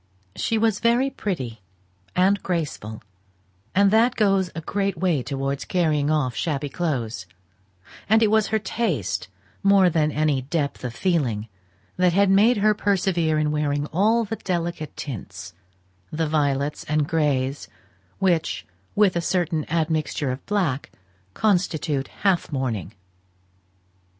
She was very pretty and graceful; and that goes a great way towards carrying off shabby clothes; and it was her taste more than any depth of feeling, that had made her persevere in wearing all the delicate tints the violets and grays which, with a certain admixture of black, constitute half mourning.